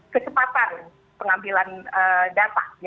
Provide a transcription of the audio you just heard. kecepatan pengambilan data